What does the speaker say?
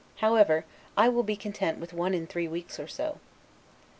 However, I will be content with one in three weeks or so.